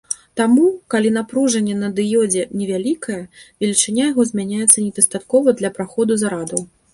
Таму, калі напружанне на дыёдзе невялікае, велічыня яго змяняецца недастаткова для праходу зарадаў.